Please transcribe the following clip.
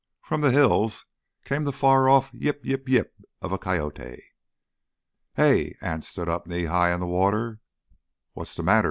From the hills came the far off yip yip yip of a coyote. "Hey!" Anse stood up knee high in the water. "What's the matter?"